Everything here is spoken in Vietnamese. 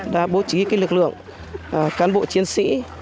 đã bố trí lực lượng cán bộ chiến sĩ